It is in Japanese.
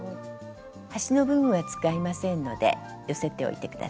端の部分は使いませんので寄せておいて下さい。